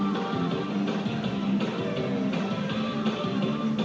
ตรงตรงตรงตรงตรง